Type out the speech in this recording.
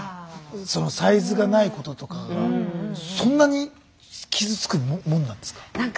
サイズがないこととかがそんなに傷つくもんなんですか？